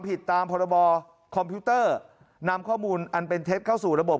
ผิดตามพรบคอมพิวเตอร์นำข้อมูลอันเป็นเท็จเข้าสู่ระบบ